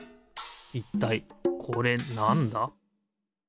いったいこれなんだ？